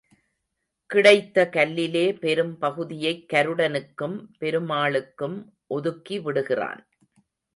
கிடைத்த கல்லிலே பெரும் பகுதியைக் கருடனுக்கும் பெருமாளுக்கும் ஒதுக்கி விடுகிறான்.